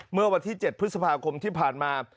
เมื่อวันที่๗พฤษภาคมที่ผ่านมา